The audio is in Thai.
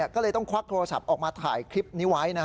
ก็เลยต้องควักโทรศัพท์ออกมาถ่ายคลิปนี้ไว้